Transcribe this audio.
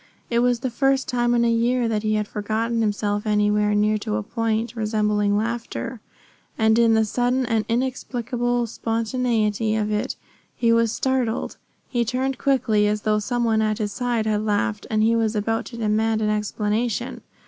It was the first time in a year that he had forgotten himself anywhere near to a point resembling laughter, and in the sudden and inexplicable spontaneity of it he was startled. He turned quickly, as though some one at his side had laughed and he was about to demand an explanation.